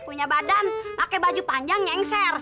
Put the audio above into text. punya badan pakai baju panjang nyengser